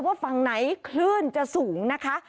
ว่าฝั่งไหนคลื่นจะสูงนะคะ